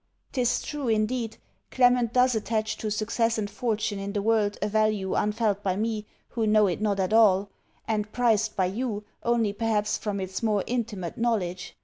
'Tis true, indeed, Clement does attach to success and fortune in the world a value unfelt by me who know it not at all, and prized by you, only perhaps from its more intimate knowledge.